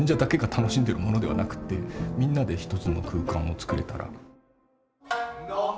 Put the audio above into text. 楽しんでるものではなくてみんなで一つの空間を作れたら。